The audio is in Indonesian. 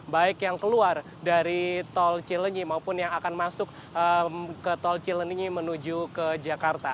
baik yang keluar dari tol cilenyi maupun yang akan masuk ke tol cileni menuju ke jakarta